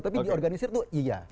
tapi di organisir itu iya